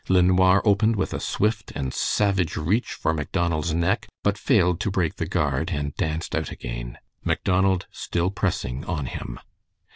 LeNoir opened with a swift and savage reach for Macdonald's neck, but failed to break the guard and danced out again, Macdonald still pressing on him.